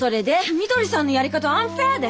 みどりさんのやり方はアンフェアです。